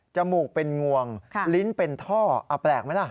มูกเป็นงวงลิ้นเป็นท่อแปลกไหมล่ะ